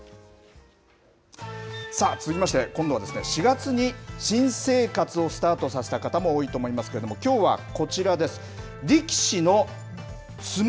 続きまして、今度は４月に新生活をスタートさせた方も多いと思いますけれども、きょうはこちらです。